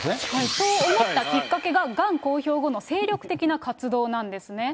そう思ったきっかけが、がん公表後の精力的な活動なんですね。